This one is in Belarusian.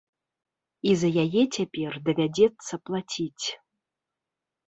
І за яе цяпер давядзецца плаціць.